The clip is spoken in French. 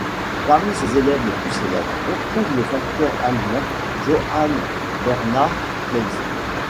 Parmi ses élèves les plus célèbres on trouve le facteur allemand Johann Bernhard Klems.